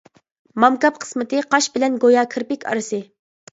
مامكاپ قىسمىتى قاش بىلەن گويا كىرپىك ئارىسى.